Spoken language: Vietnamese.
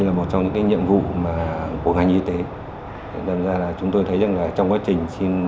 là một trong những nhiệm vụ của ngành y tế nói ra là chúng tôi thấy rằng là trong quá trình xin